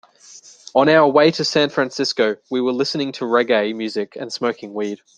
On our way to San Francisco, we were listening to reggae music and smoking weed.